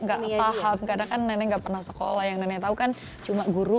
gak paham karena kan nenek gak pernah sekolah yang nenek tau kan cuma guru